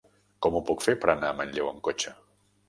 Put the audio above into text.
Com ho puc fer per anar a Manlleu amb cotxe?